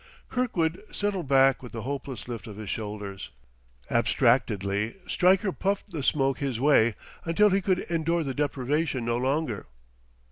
Kirkwood settled back with a hopeless lift of his shoulders. Abstractedly Stryker puffed the smoke his way until he could endure the deprivation no longer.